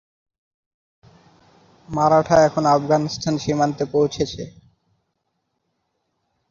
মারাঠা এখন আফগানিস্তান সীমান্তে পৌঁছেছে।